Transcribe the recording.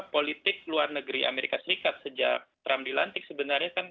politik luar negeri amerika serikat sejak trump dilantik sebenarnya kan